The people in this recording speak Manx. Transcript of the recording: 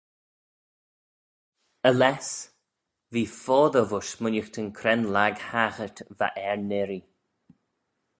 Aless, v'ee foddey voish smooinaghtyn cre'n lhag-haghyrt va er n'irree.